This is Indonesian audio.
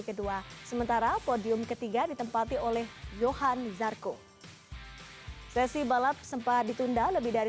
kedua sementara podium ketiga ditempati oleh johan zarco sesi balap sempat ditunda lebih dari